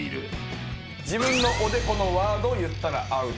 自分のおでこのワードを言ったらアウト。